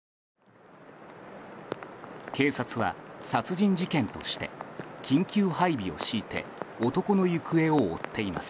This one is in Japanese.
警察は殺人事件として緊急配備を敷いて男の行方を追っています。